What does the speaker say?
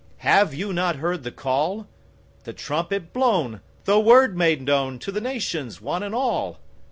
Have you not heard the call, The trumpet blown, the word made knownTo the nations, one and all?